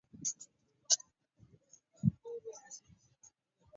تاريخ تېر مهال په دقت سره څېړي.